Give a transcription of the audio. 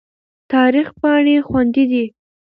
تاریخ پاڼې خوندي دي.